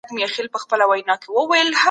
ولي زده کوونکي په خپله ژبه کي پوښتنې ډېري کوي؟